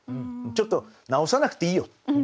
ちょっと直さなくていいよ。